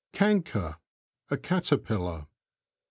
Canker. — A caterpillar.